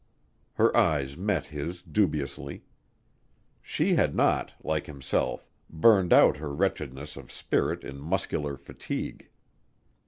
Her eyes met his dubiously. She had not, like himself, burned out her wretchedness of spirit in muscular fatigue.